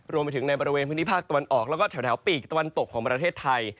รวมไปถึงในบริเวณพื้นที่ภาคตะวันออกแล้วก็แถวปีกตะวันตกของประเทศไทย